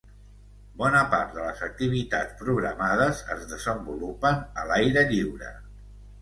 bona part de les activitats programades es desenvolupen a l'aire lliure